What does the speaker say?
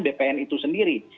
bpn itu sendiri